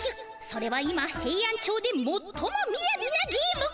それは今ヘイアンチョウでもっともみやびなゲーム。